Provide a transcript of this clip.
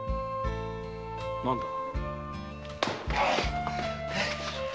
何だ？